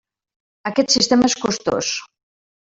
Aquest sistema és costós.